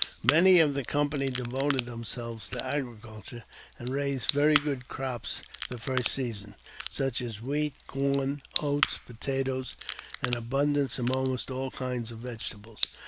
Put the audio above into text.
Many of the company devoted themselves to agriculture, and raised very good crops the first season, such as wheat, corn, oats, potatoes, and abundance of almost all kinds of vegetables.